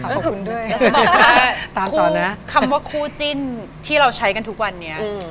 ค่ะพี่เราจะบอกว่าคำว่าคู่จิ้นที่เราใช้กันทุกวันนี้